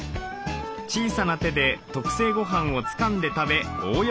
小さな手で特製ごはんをつかんで食べ大喜び。